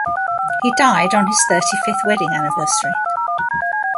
He died on his thirty-fifth wedding anniversary.